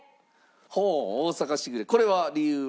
ほう『大阪しぐれ』これは理由は？